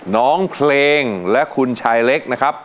น้องเพลงและคุณชายเล็ก